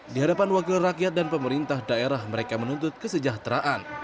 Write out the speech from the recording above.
di hadapan wakil rakyat dan pemerintah daerah mereka menuntut kesejahteraan